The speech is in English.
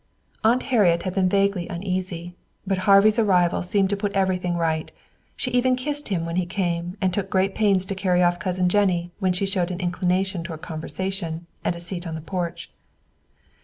Aunt Harriet had been vaguely uneasy, but Harvey's arrival seemed to put everything right. She even kissed him when he came, and took great pains to carry off Cousin Jennie when she showed an inclination toward conversation and a seat on the porch.